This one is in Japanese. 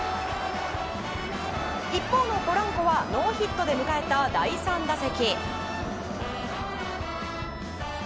一方のポランコはノーヒットで迎えた第３打席。